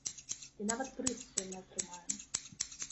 І нават прыз сёння атрымаю.